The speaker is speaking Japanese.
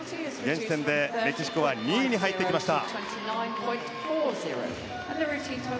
善戦でメキシコは２位に入ってきました。